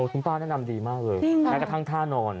คุณป้าแนะนำดีมากเลยแม้กระทั่งท่านอน